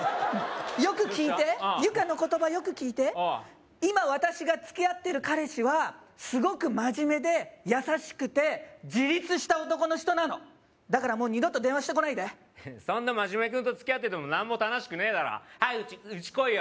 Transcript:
よく聞いてユカの言葉よく聞いて今私が付き合ってる彼氏はすごくマジメで優しくて自立した男の人なのだからもう二度と電話してこないでそんなマジメ君と付き合ってても何も楽しくねえだろ早くうち来いよ